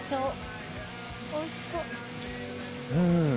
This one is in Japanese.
うん。